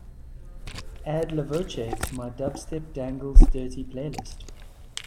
add la voce to my Dubstep Dangles Dirty playlist